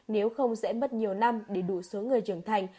nếu không sẽ mất nhiều năm để đủ số người trưởng thành